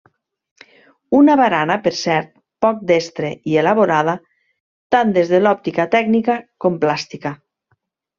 Una barana, per cert, poc destre i elaborada, tant des de l'òptica tècnica com plàstica.